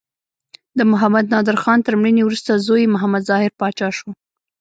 د محمد نادر خان تر مړینې وروسته زوی یې محمد ظاهر پاچا شو.